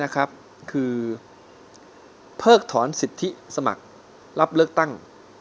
คือเพิกถอนสิทธิสมัครรับเลือกตั้ง